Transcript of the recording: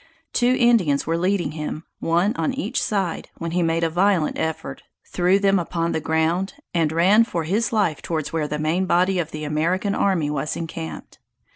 Two Indians were leading him, one on each side, when he made a violent effort, threw them upon the ground, and run for his life towards where the main body of the American army was encamped.